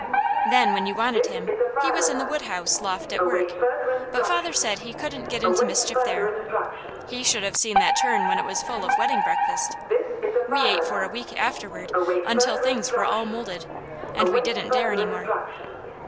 Then when you wanted him, he was in the wood house loft at work, but father said he couldn't get into mischief there. He should have seen that churn when it was full of wedding breakfast! We ate for a week afterward, until things were all moulded, and we didn't dare anymore.